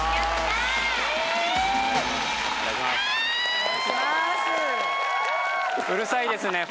お願いします。